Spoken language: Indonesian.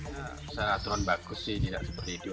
saya aturan bagus sih tidak seperti itu